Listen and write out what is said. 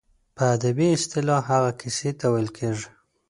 په ادبي اصطلاح هغې کیسې ته ویل کیږي.